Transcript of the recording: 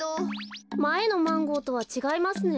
まえのマンゴーとはちがいますね。